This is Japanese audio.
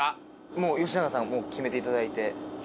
もう吉永さん決めていただいて。